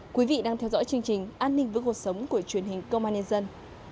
quý vị đang theo dõi chương trình an ninh với cuộc sống của truyền hình công an nhân dân